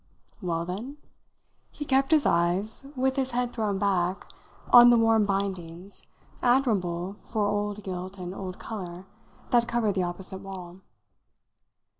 "Well then?" He kept his eyes, with his head thrown back, on the warm bindings, admirable for old gilt and old colour, that covered the opposite wall.